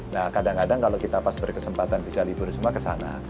nah kadang kadang kalau kita pas berkesempatan bisa libur semua kesana